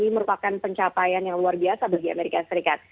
itu luar biasa bagi amerika serikat